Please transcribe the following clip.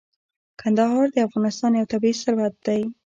کندهار د افغانستان یو طبعي ثروت دی.